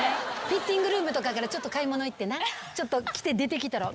フィッティングルームとかからちょっと買い物行ってなちょっと着て出てきたら。